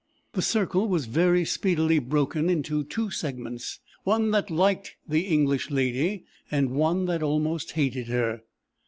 The circle was very speedily broken into two segments, one that liked the English lady, and one that almost hated her.